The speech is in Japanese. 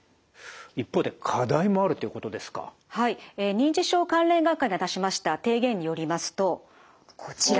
認知症関連学会が出しました提言によりますとこちら。